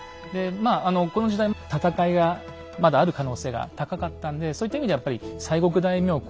でまあこの時代戦いがまだある可能性が高かったんでそういった意味でやっぱり西国大名